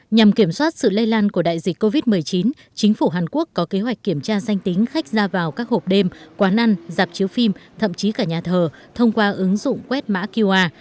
nhằm kiểm soát sự lây lan của đại dịch covid một mươi chín chính phủ hàn quốc có kế hoạch kiểm tra danh tính khách ra vào các hộp đêm quán ăn dạp chiếu phim thậm chí cả nhà thờ thông qua ứng dụng quét mã qr